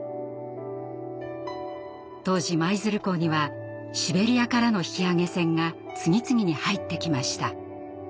当時舞鶴港にはシベリアからの引き揚げ船が次々に入ってきました。